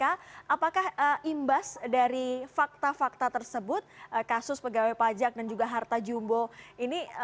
apakah imbas dari fakta fakta tersebut kasus pegawai pajak dan juga harta jumbo ini